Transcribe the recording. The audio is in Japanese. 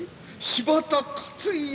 柴田勝家